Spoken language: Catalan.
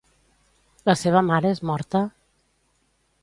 La seva mare és morta?